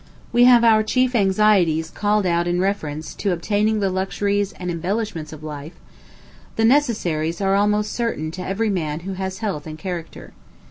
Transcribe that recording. We have our chief anxieties called out in reference to the obtaining the luxuries and embellishments of life; the necessaries are almost certain to every man who has health and character.